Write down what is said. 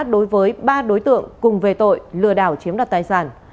đối với ba đối tượng cùng về tội lừa đảo chiếm đoạt tài sản